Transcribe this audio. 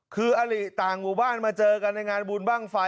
คืออลิต่างหมู่บ้านมาเจอกันในงานบุญบ้างไฟ